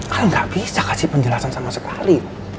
al gak bisa kasih penjelasan sama sekali